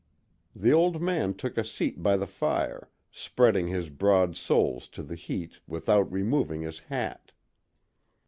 The old man took a seat by the fire, spreading his broad soles to the heat without removing his hat.